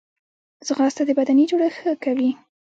ځغاسته د بدني جوړښت ښه کوي